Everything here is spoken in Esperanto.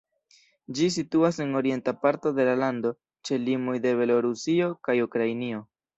Ĝi situas en orienta parto de la lando ĉe limoj de Belorusio kaj Ukrainio.